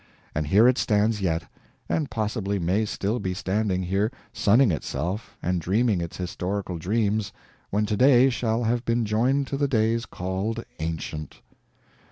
and here it stands yet, and possibly may still be standing here, sunning itself and dreaming its historical dreams, when today shall have been joined to the days called "ancient."